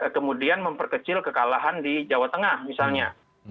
kemudian memperkecil kekalahan di jawa tengah misalnya